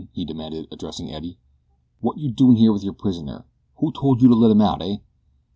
he demanded, addressing Eddie. "What you doin' here with your prisoner? Who told you to let him out, eh?"